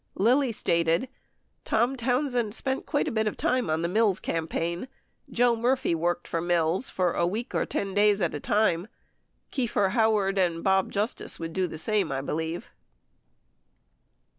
Lilly stated, "Tom Townsend spent quite a bit of time on the Mills campaign. Joe Murphey worked for Mills for a week or 10 days at a time. Kieffer Howard and Bob Justice would do the same, I believe."